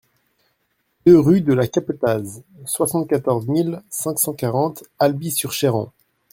deux rue de la Capetaz, soixante-quatorze mille cinq cent quarante Alby-sur-Chéran